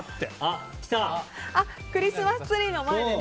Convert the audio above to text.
クリスマスツリーの前でね！